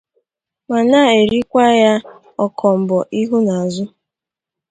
ma na-erikwa ya ọkọmbọ ihu na azụ